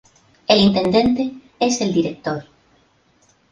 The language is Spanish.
El intendente es el Dr.